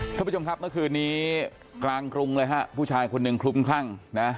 ท่านผู้ชมครับเมื่อคืนนี้กลางกรุงเลยฮะผู้ชายคนหนึ่งคลุมคลั่งนะ